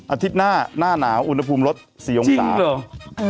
อาทิตย์หน้าหน้านาวอุณหภูมิรสสีองศาจริงเหรอ